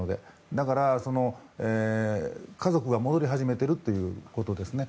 だから、家族が戻り始めてるということですね。